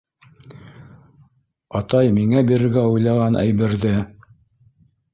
— Атай миңә бирергә уйлаған әйберҙе.